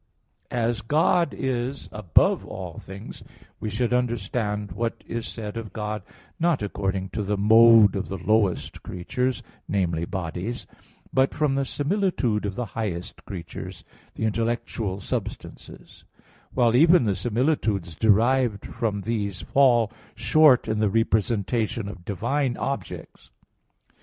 As God is above all things, we should understand what is said of God, not according to the mode of the lowest creatures, namely bodies, but from the similitude of the highest creatures, the intellectual substances; while even the similitudes derived from these fall short in the representation of divine objects.